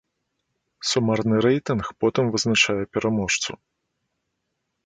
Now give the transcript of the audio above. Сумарны рэйтынг потым вызначае пераможцу.